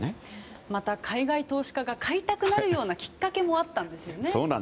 また、海外投資家が買いたくなるようなきっかけもあったんですよね。